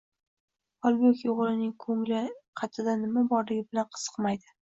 Holbuki, o`g`lining ko`ngil qatida nima borligi bilan qiziqmaydi